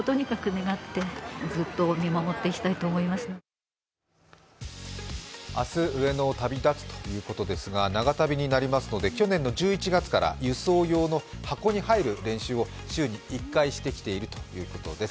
閉園後明日、上野を旅立つということですが長旅になりますので、去年の１１月から輸送用の箱に入る練習を週に１回してきているということです。